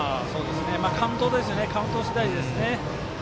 カウント次第ですね。